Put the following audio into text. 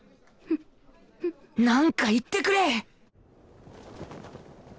なんか言ってくれ！